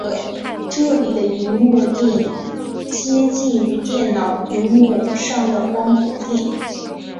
这里的萤幕靛接近于电脑萤幕上的光谱靛。